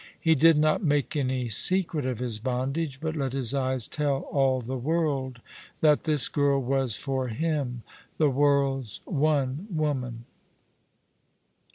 He did not make any secret of his bondage, but let his eyes tell all the world that this girl was for him " the world's one woman."